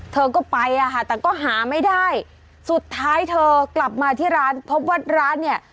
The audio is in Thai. เธอก็ไปอ่ะค่ะแต่ก็หาไม่ได้สุดท้ายเธอกลับมาที่ร้านพบว่าร้านเนี่ย